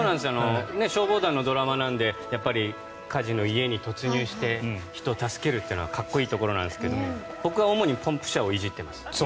消防団のドラマなのでやっぱり火事の家に突入して人を助けるというのがかっこいいところなんですが僕は主にポンプ車をいじっています。